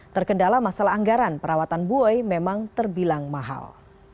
terkendala masalah anggaran perawatan buoy memang terbilang mahal